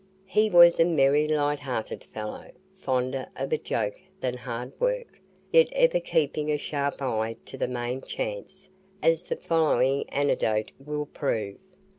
He was a merry light hearted fellow, fonder of a joke than hard work, yet ever keeping a sharp eye to the "main chance," as the following anecdote will prove.